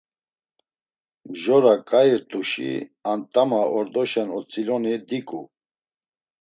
Mjora ǩai rt̆uşi ant̆ama ordoşen otziloni diqu.